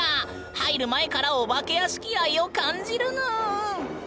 入る前からお化け屋敷愛を感じるぬん！